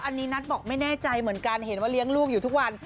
อันนี้นัทบอกไม่แน่ใจเหมือนกันเห็นว่าเลี้ยงลูกอยู่ทุกวัน